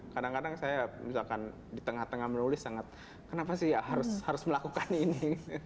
kadang kadang saya misalkan di tengah tengah menulis sangat kenapa sih ya harus melakukan ini